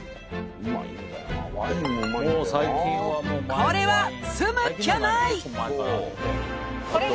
これは住むっきゃない！